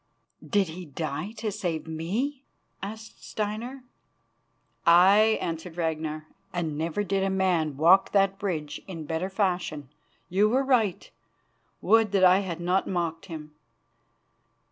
"Did he die to save me?" asked Steinar. "Aye," answered Ragnar, "and never did man walk that bridge in better fashion. You were right. Would that I had not mocked him."